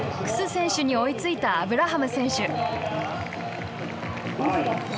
楠選手に追いついたアブラハム選手。